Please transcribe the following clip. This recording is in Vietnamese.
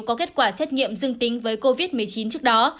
có kết quả xét nghiệm dương tính với covid một mươi chín trước đó